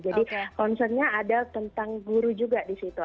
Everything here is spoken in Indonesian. jadi concernnya ada tentang guru juga di situ